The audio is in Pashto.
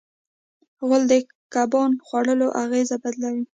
غول د کبان خوړلو اغېز بدلوي.